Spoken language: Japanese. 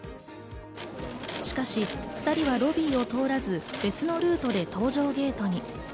しかし２人はロビーを通らず別のルートで搭乗ゲートに。